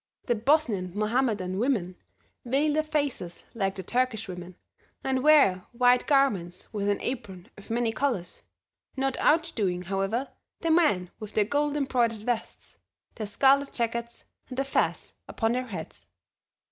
The Bosnian Mohammedan women veil their faces like the Turkish women, and wear white garments with an apron of many colors, not outdoing, however, the men with their gold embroidered vests, their scarlet jackets and the fez upon their heads.